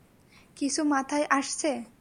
কিছু মাথায় আসছে?